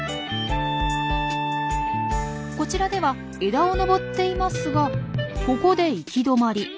こちらでは枝を登っていますがここで行き止まり。